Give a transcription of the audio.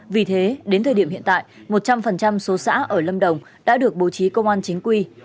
vì thế đến thời điểm hiện tại một trăm linh số xã ở lâm đồng đã được bố trí công an chính quy